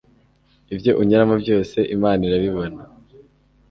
ibyo unyuramo byose imana irabibona.